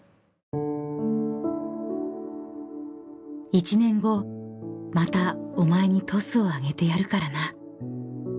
［「１年後またお前にトスをあげてやるからな」］